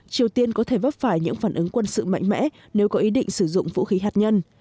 triều tiên có thể vấp phải những phản ứng quân sự mạnh mẽ nếu có ý định sử dụng vũ khí hạt nhân